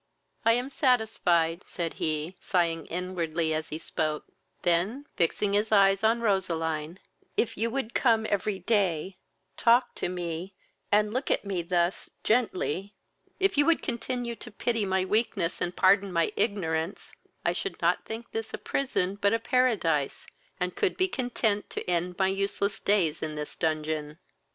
"I am satisfied, (said he, sighing inwardly as he spoke; then, fixing his eyes on Roseline,) if you would come every day, talk to me, and look at me thus gently, if you would continue to pity my weakness and pardon my ignorance, I should not think this a prison but a paradise, and could be content to end my useless days in this dungeon."